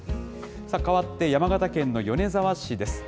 かわって山形県の米沢市です。